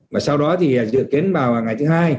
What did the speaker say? và sau đó thì dự kiến vào ngày thứ hai